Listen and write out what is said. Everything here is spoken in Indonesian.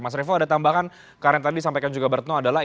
mas revo ada tambahan karena yang tadi disampaikan juga bertno adalah